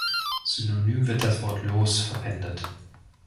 Synonym wird das Wort "Los" verwendet.